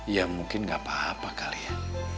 ya mungkin gak apa apa kali ya